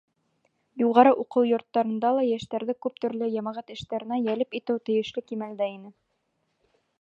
Юғары уҡыу йорттарында ла йәштәрҙе күп төрлө йәмәғәт эштәренә йәлеп итеү тейешле кимәлдә ине.